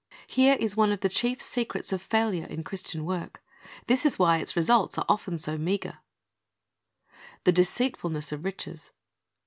Here is one of the chief secrets of failure in Christian work. This is why its results are often so meager. "The deceitfulness of riches."